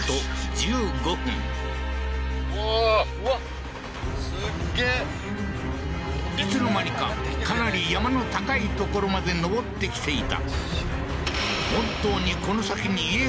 １５分いつの間にかかなり山の高い所まで上ってきていた